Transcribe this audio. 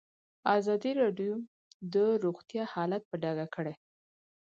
ازادي راډیو د روغتیا حالت په ډاګه کړی.